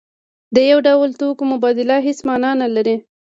د یو ډول توکو مبادله هیڅ مانا نلري.